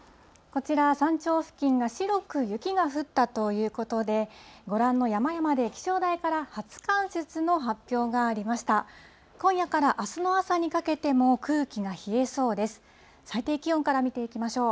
こちら、山頂付近が白く、雪が降ったということで、ご覧の山々で気象台から初冠雪の発表がありました。